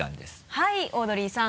はいオードリーさん。